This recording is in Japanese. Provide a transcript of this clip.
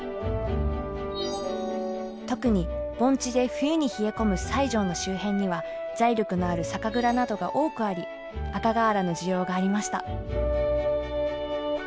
特に盆地で冬に冷え込む西条の周辺には財力のある酒蔵などが多くあり赤瓦の需要がありました。